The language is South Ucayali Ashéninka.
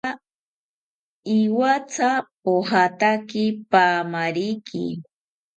Iwatha pojataki paamariki